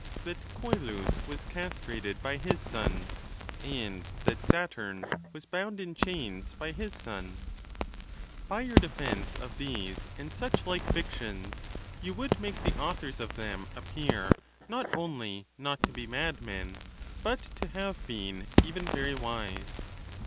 — that Ooelus was castrated by his son, and that Saturn was bound in chains by his son ! By your defence of these and such like fic tions you would make the authors of them appear not only not to be madmen, but to have been even very wise.